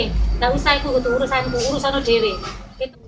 nggak usah aku urus aku urus aku urus